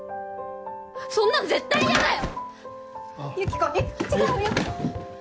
そんなの絶対やだよ！